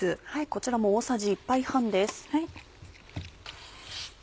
こちらも大さじ１杯半です。